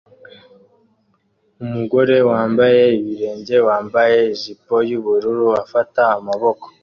Umugore wambaye ibirenge wambaye ijipo yubururu afata amaboko